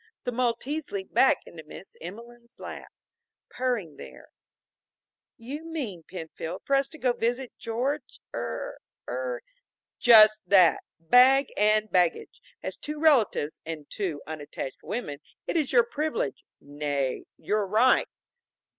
The Maltese leaped back into Miss Emelene's lap, purring there. "You mean, Penfield, for us to go visit George er er " "Just that! Bag and baggage. As two relatives and two unattached women, it is your privilege, nay, your right."